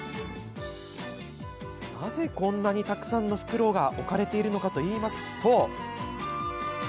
なぜこんなにたくさんのふくろうが置かれているのかといいますと。